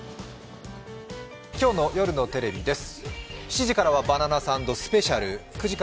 今日の夜のテレビです。